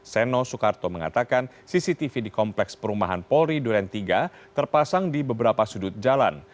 seno soekarto mengatakan cctv di kompleks perumahan polri duren tiga terpasang di beberapa sudut jalan